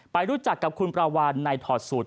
ไปรู้จักกับคุณประวัติในถอดสูตร